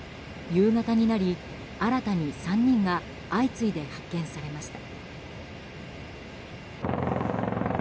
夕方になり、新たに３人が相次いで発見されました。